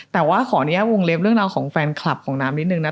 แต่ว่าขออนุญาตวงเล็บเรื่องราวของแฟนคลับของน้ำนิดนึงนะ